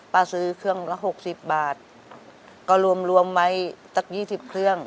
ป้าซื้อเครื่องน่ะละ๖๐บาทก็รวมไว้๒๐เครื่อง